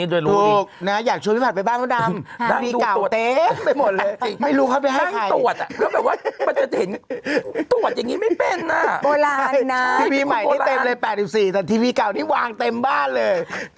ทีวีใหม่โพสต์เต็มเลย๘๔แต่ทีวีเก่านี้วางเต็มบ้านเลย